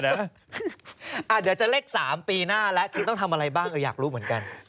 เดี๋ยวจะเลข๓ปีหน้าแล้วคือต้องทำอะไรบ้างก็อยากรู้เหมือนกัน